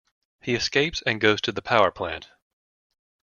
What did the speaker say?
He escapes and goes to the power plant.